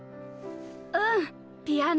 うんピアノ。